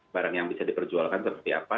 barang yang bisa diperjualkan seperti apa